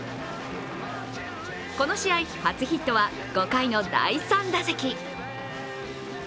この試合初ヒットは５回の第３打席。